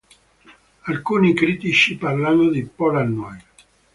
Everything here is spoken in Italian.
Alcuni critici parlano di "polar noir".